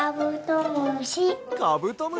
カブトムシ。